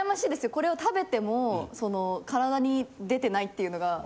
これを食べても体に出てないっていうのが。